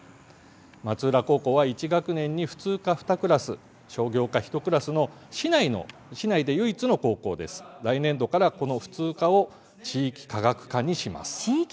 松浦高校は１学年に普通科２クラス商業科１クラスの市内で唯一の高校で、来年度から普通科を「地域科学科」にします。